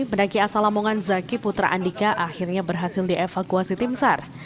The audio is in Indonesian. mendaki asal lamongan zaki putra andika akhirnya berhasil dievakuasi timsar